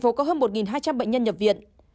tp hcm có hơn một hai trăm linh bệnh nhân nhập viện